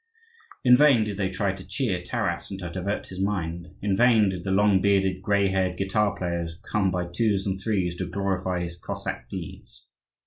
In vain did they try to cheer Taras and to divert his mind; in vain did the long bearded, grey haired guitar players come by twos and threes to glorify his Cossack deeds.